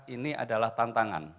ini adalah tantangan